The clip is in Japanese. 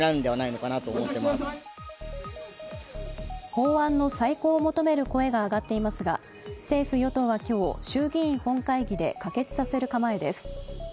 法案の再考を求める声が上がっていますが政府・与党は今日衆議院本会議で可決させる構えです。